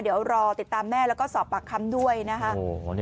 เดี๋ยวรอติดตามแม่แล้วก็สอบปากคำด้วยนะคะ